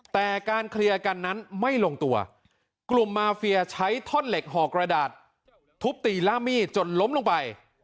แต่การเคลียร์กันนั้นไม่ลงตัวกลุ่มมาเฟียใช้ท่อนเหล็กห่อกระดาษทุบตีล่ามีดจนล้มลงไป